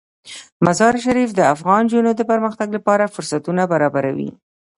مزارشریف د افغان نجونو د پرمختګ لپاره فرصتونه برابروي.